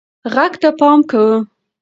غږ ته پام کوه.